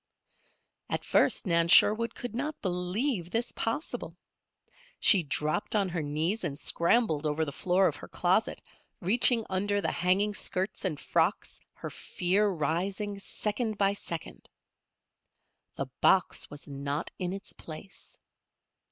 At first Nan Sherwood could not believe this possible. She dropped on her knees and scrambled over the floor of her closet, reaching under the hanging skirts and frocks, her fear rising, second by second. The box was not in its place.